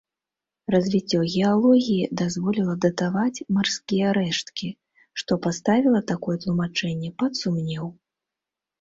Развіццё геалогіі дазволіла датаваць марскія рэшткі, што паставіла такое тлумачэнне пад сумнеў.